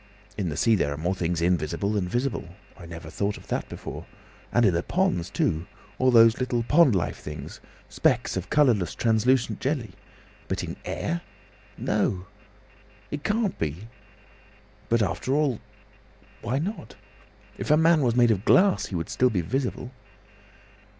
In the sea there are more things invisible than visible! I never thought of that before. And in the ponds too! All those little pond life things—specks of colourless translucent jelly! But in air? No! "It can't be. "But after all—why not? "If a man was made of glass he would still be visible."